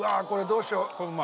これどうしよう。